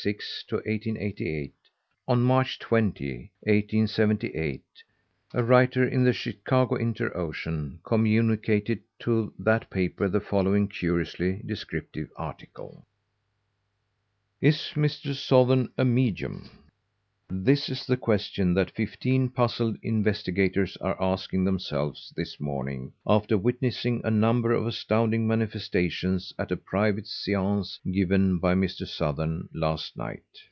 On March 20, 1878, a writer in the Chicago Inter Ocean communicated to that paper the following curiously descriptive article: Is Mr. Sothern a medium? This is the question that fifteen puzzled investigators are asking themselves this morning, after witnessing a number of astounding manifestations at a private seance given by Mr. Sothern last night.